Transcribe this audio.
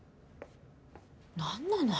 何なの？